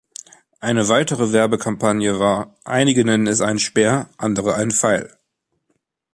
Eine weitere Werbekampagne war „einige nennen es einen Speer, andere einen Pfeil.